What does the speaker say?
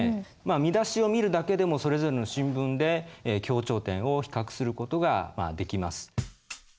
見出しを見るだけでもそれぞれの新聞で強調点を比較する事ができます。